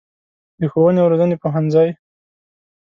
د ښوونې او روزنې پوهنځی